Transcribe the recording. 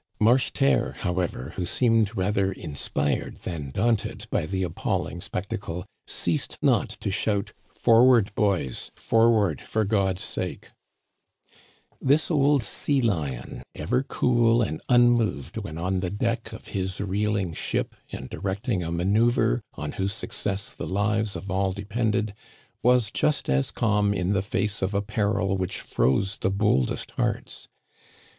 Marcheterre, however, who seemed rather inspired than daunted by the appalling spectacle, ceased not to shout :Forward boys ! forward, for God's sake !" This old sea lion, ever cool and unmoved when on the deck of his reeling ship and directing a manœuvre on whose success the lives of all depended, was just as calm in the face of a peril which froze the boldest hearts.